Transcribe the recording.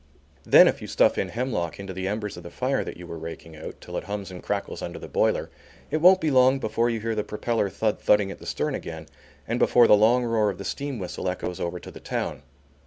Then, if you stuff in hemlock into the embers of the fire that you were raking out, till it hums and crackles under the boiler, it won't be long before you hear the propeller thud thudding at the stern again, and before the long roar of the steam whistle echoes over to the town.